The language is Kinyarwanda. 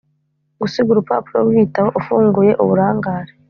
gusiga urupapuro rwigitabo ufunguye uburangare,